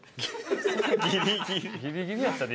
ギリギリやったで。